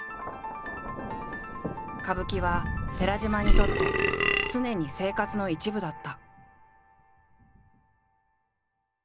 歌舞伎は寺島にとって常に生活の一部だった。